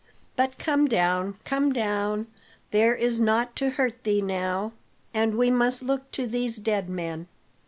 But come down, come down; there is naught to hurt thee now, and we must look to these dead men."